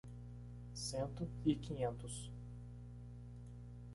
Cento e quinhentos